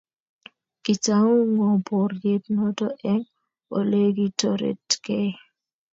Kitau ngo boryet noto eng olegitoretegei?